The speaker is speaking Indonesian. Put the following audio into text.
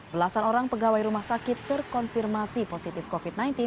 belasan orang pegawai rumah sakit terkonfirmasi positif covid sembilan belas